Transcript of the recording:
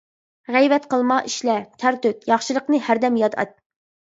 غەيۋەت قىلما ئىشلە، تەر تۆك، ياخشىلىقنى ھەردەم ياد ئەت.